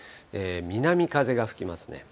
南風が吹きますね。